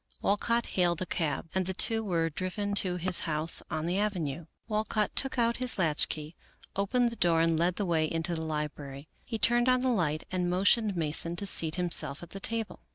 Walcott hailed a cab, and the two were driven to his house on the avenue, Walcott took out his latchkey, opened the door, and led the way into the library. He turned on the light and motioned Mason to seat himself at the table.